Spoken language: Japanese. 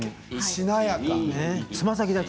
しなやか。